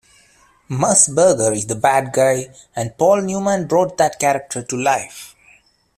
Mussburger is the bad guy and Paul Newman brought that character to life.